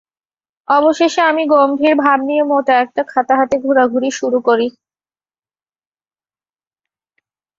অবশেষে আমি গম্ভীর ভাব নিয়ে মোটা একটা খাতা হাতে ঘোরাঘুরি শুরু করি।